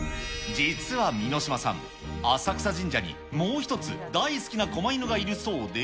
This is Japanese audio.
実はミノシマさん、浅草神社にもう一つ、大好きなこま犬がいるそうで。